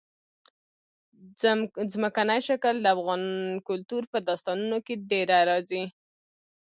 ځمکنی شکل د افغان کلتور په داستانونو کې ډېره راځي.